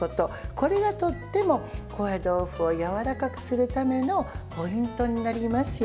これがとても高野豆腐をやわらかくするためのポイントになりますよ。